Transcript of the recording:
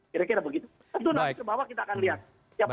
kira kira begitu tentu nanti ke bawah kita akan lihat